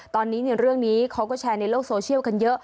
ตอนนี้เรื่องนี้เขาก็แชร์ในโลกโซเชียลกันเยอะ